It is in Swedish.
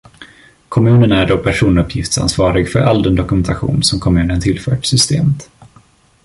Kommunen är då personuppgiftsansvarig för all den dokumentation som kommunen tillfört systemet.